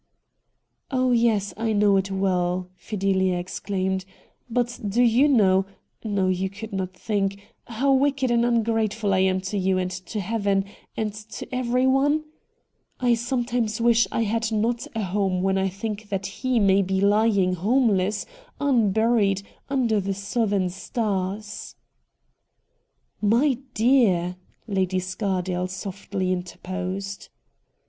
Oh, yes I know it well !' Fideha exclaimed ;' but do you know — no, you could not think — how wicked and ungrateful I am to you and to heaven, and to everyone? I sometimes wish I had not a home when I think that he may be lying homeless, unburied, under the southern stars.' ' My dear !' Lady Scardale softly interposed.